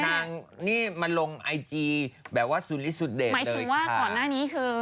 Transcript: นางนี่มาลงไอจีแบบว่าศูนย์ลิสุเดรตเลยค่ะหมายถึงว่าก่อนหน้านี้คือ